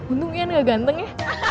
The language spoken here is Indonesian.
untung uian gak ganteng ya